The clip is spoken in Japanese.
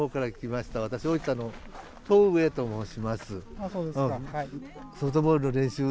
ああそうですか。